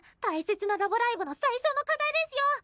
大切な「ラブライブ！」の最初の課題ですよ！